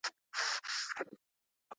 آیا موږ باید ډیجیټل پیسو ته لاړ شو؟